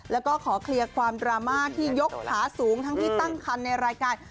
แล้วก็ขอเคลียร์ความดราม่าที่ยกขาสูงทั้งที่ตั้งคันในรายการ